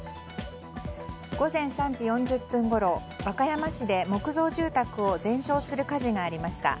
午前３時４０分ごろ和歌山市で木造住宅を全焼する火事がありました。